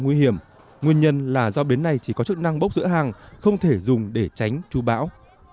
nguy hiểm nguyên nhân là do bến này chỉ có chức năng bốc rỡ hàng không thể dùng để tránh chú bão